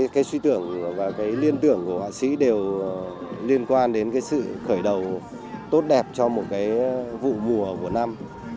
cái suy tưởng và cái liên tưởng của họa sĩ đều liên quan đến cái sự khởi đầu tốt đẹp cho một cái vụ mùa của năm